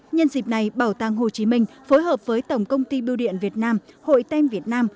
nhân dịp này bảo tàng hồ chí minh phối hợp với tổng công ty biêu điện việt nam hội tem việt nam